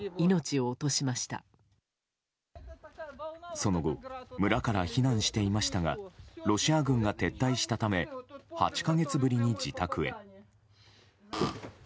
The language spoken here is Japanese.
その後村から避難していましたがロシア軍が撤退したため８か月ぶりに自宅へ。